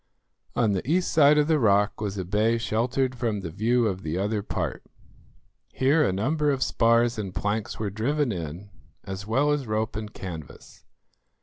On the east side of the rock was a bay sheltered from the view of the other part. Here a number of spars and planks were driven in, as well as rope and canvas.